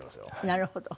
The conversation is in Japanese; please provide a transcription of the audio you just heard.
なるほど。